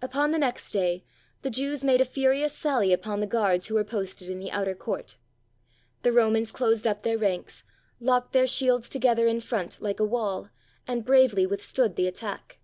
Upon the next day the Jews made a furious sally upon the guards who were posted in the outer court. The Ro mans closed up their ranks, locked their shields together in front like a wall, and bravely withstood the attack.